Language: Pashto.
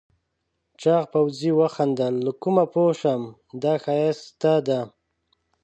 چاغ پوځي وخندل له کومه پوه شم دا ښایسته ده؟